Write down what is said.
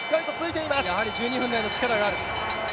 やはり１２分台の力がある。